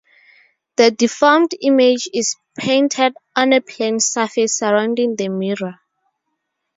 The deformed image is painted on a plane surface surrounding the mirror.